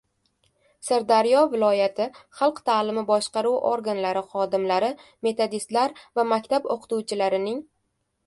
Sirdaryo viloyati xalq ta’limi boshqaruv organlari xodimlari, metodistlar va maktab o‘qituvchilarining me